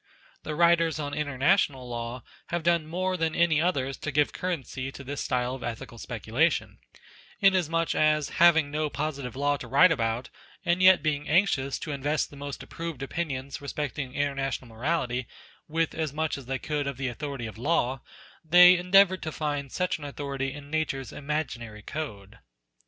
The writers on International Law have done more than any others to give currency to 10 NATURE this style of ethical speculation ; inasmuch as having no positive law to write about, and yet being anxious to invest the most approved opinions respecting inter national morality with as much as they could of the authority of law, they endeavoured to find such an authority in Nature's imaginary code.